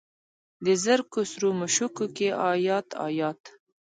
د زرکو سرو مشوکو کې ایات، ایات